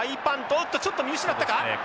おっとちょっと見失ったか。